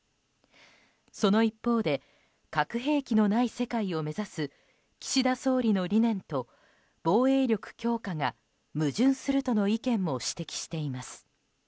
その一方で核兵器のない世界を目指す岸田総理の理念と防衛力強化が矛盾するとの意見も指摘しています。